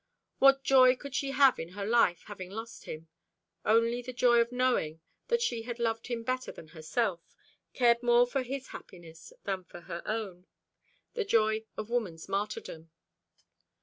What joy could she have in her life, having lost him? Only the joy of knowing that she had loved him better than herself, cared more for his happiness than her own the joy of woman's martyrdom.